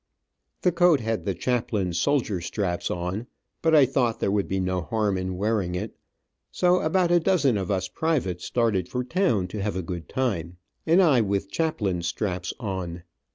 The coat had the chaplain's shoulder straps on, but I thought there would be no harm in wearing it, so about a dozen of us privates started for town to have a good time, and I with chaplain's straps on.